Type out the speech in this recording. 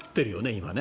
今ね。